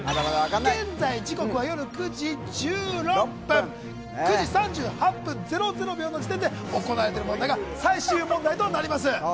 現在、時刻は夜９時１６分９時３８分００秒の時点で行われている問題が最終問題となります。